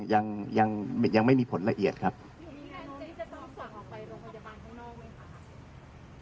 ยังยังไม่มีผลละเอียดครับที่จะต้องฝากออกไปโรงพยาบาลข้างนอกไหมคะ